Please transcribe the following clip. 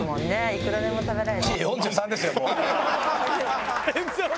いくらでも食べられる。